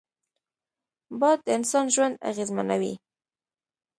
باد د انسان ژوند اغېزمنوي